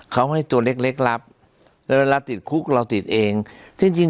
เขาให้ตัวเล็กเล็กรับแล้วเวลาติดคุกเราติดเองจริงจริง